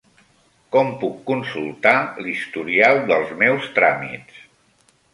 Com puc consultar l'historial dels meus tràmits?